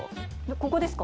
ここですか？